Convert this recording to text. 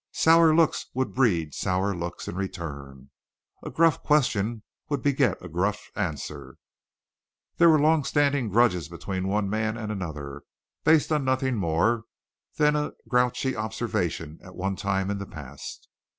Sour looks would breed sour looks in return; a gruff question would beget a gruff answer; there were long standing grudges between one man and another, based on nothing more than a grouchy observation at one time in the past.